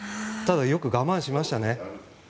ただ、よく我慢しましたね。